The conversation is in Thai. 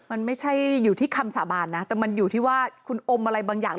มันไม่ใช่อยู่ที่คำสาบานนะแต่มันอยู่ที่ว่าคุณอมอะไรบางอย่าง